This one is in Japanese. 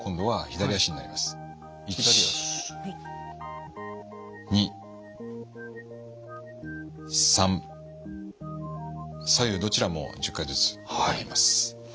左右どちらも１０回ずつ行います。